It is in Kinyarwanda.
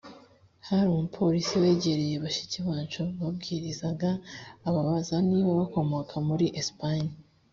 hari umupolisi wegereye bashiki bacu babwirizaga ababaza niba bakomoka muri esipanye